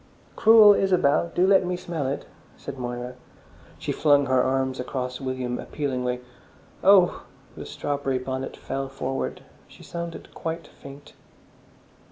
"Cruel Isabel! Do let me smell it!" said Moira. She flung her arms across William appealingly. "Oh!" The strawberry bonnet fell forward: she sounded quite faint.